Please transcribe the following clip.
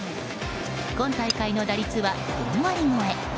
今大会の打率は４割超え。